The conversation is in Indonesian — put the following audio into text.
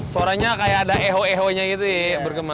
suaranya kayak ada echo echo nya gitu ya bergema